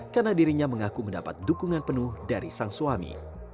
karena dirinya mengaku mendapat dukungan penuh dari sang suami